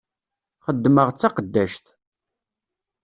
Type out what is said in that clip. Xeddmeɣ d taqeddact.